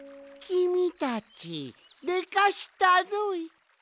きみたちでかしたぞい！